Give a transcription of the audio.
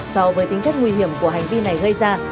so với tính chất nguy hiểm của hành vi này gây ra